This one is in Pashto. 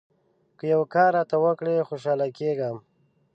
که یو کار راته وکړې ، خوشاله کېږم.